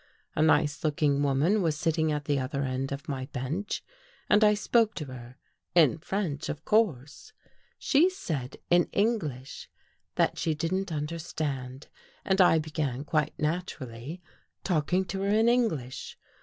A nice looking woman was sitting at the other end of my bench and I spoke to her, in French, of course. She said, in English, that she didn't understand, and I began, quite naturally, talking to her in English.